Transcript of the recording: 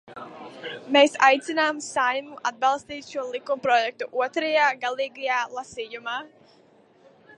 Mēs aicinām Saeimu atbalstīt šo likumprojektu otrajā, galīgajā, lasījumā.